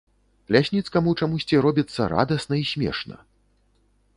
Лясніцкаму чамусьці робіцца радасна і смешна.